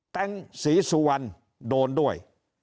ศรีสุวรรณโดนด้วย